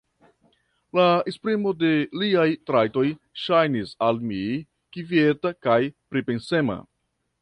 La esprimo de liaj trajtoj ŝajnis al mi kvieta kaj pripensema.